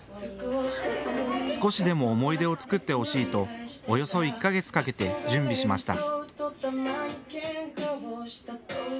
少しでも思い出を作ってほしいとおよそ１か月かけて準備しました。